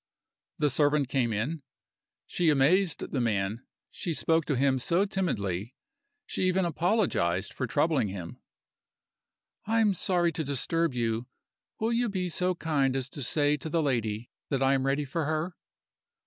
The servant came in. She amazed the man she spoke to him so timidly: she even apologized for troubling him! "I am sorry to disturb you. Will you be so kind as to say to the lady that I am ready for her?"